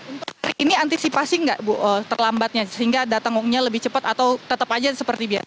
untuk hari ini antisipasi nggak bu terlambatnya sehingga datangnya lebih cepat atau tetap aja seperti biasa